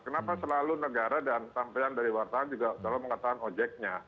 kenapa selalu negara dan sampean dari wartawan juga selalu mengatakan ojeknya